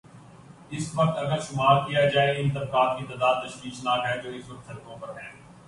اس وقت اگر شمارکیا جائے، ان طبقات کی تعداد تشویش ناک ہے جو اس وقت سڑکوں پر ہیں۔